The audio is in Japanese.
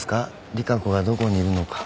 利佳子がどこにいるのか。